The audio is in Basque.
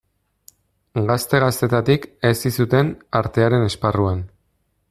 Gazte-gaztetatik hezi zuten artearen esparruan.